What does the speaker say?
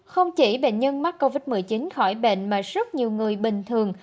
không chỉ bệnh nhân mắc covid một mươi chín khỏi bệnh mà rất nhiều người bình thường